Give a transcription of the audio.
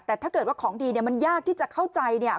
แต่ถ้าเกิดว่าของดีเนี่ยมันยากที่จะเข้าใจเนี่ย